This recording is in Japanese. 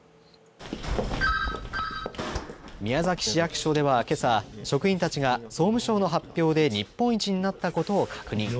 市役所ではけさ、職員たちが総務省の発表で日本一になったことを確認。